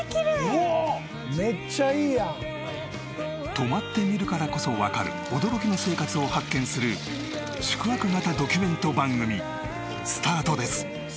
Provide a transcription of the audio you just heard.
泊まってみるからこそわかる驚きの生活を発見する宿泊型ドキュメント番組スタートです。